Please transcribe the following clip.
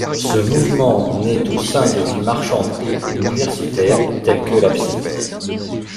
Ce mouvement naît au sein de villes marchandes et universitaires telles que Leipzig.